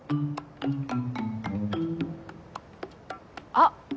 あっ！